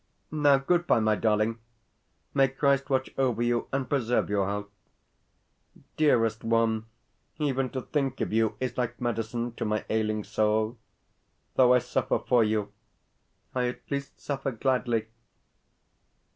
Now, goodbye, my darling. May Christ watch over you and preserve your health. Dearest one, even to think of you is like medicine to my ailing soul. Though I suffer for you, I at least suffer gladly.